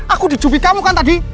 aku dijupi kamu kan tadi